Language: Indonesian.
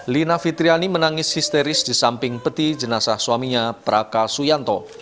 lina fitriani menangis histeris di samping peti jenazah suaminya praka suyanto